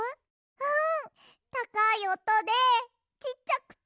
うん！